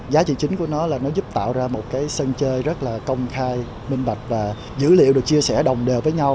giá trị chính của nó là nó giúp tạo ra một cái sân chơi rất là công khai minh bạch và dữ liệu được chia sẻ đồng đều với nhau